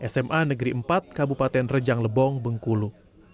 sma negeri empat kabupaten rejang lebong bengkulu